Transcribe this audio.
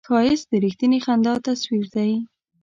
ښایست د رښتینې خندا تصویر دی